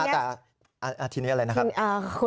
แต่ทีนี้อะไรนะครับ